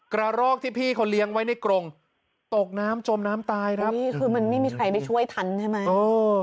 กระรอกที่พี่เขาเลี้ยงไว้ในกรงตกน้ำจมน้ำตายครับนี่คือมันไม่มีใครไปช่วยทันใช่ไหมเออ